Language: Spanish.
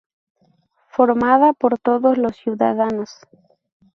Formada por todos los ciudadanos.